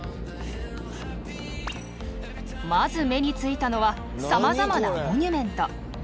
まず目についたのはさまざまなモニュメント。